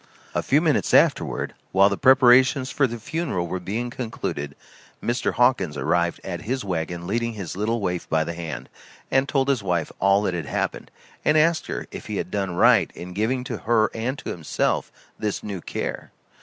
A few minutes afterward, while the preparations for the funeral were being concluded, Mr. Hawkins arrived at his wagon leading his little waif by the hand, and told his wife all that had happened, and asked her if he had done right in giving to her and to himself this new care?